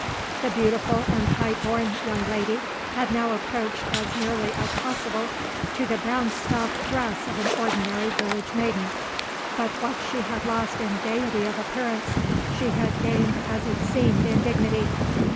The beautiful and high born young lady had now approached as nearly as possible to the brown stuff dress of an ordinary village maiden; but what she had lost in gaiety of appearance, she had gained as it seemed in dignity.